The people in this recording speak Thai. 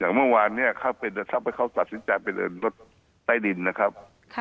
อย่างเมื่อวานเนี่ยถ้าเขาตัดสินใจเป็นรถใต้ดินนะครับ